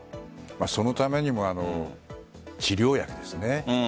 そのためにも治療薬ですよね。